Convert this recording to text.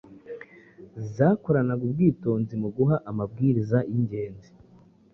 zakoranaga ubwitonzi mu guha amabwiriza yingenzi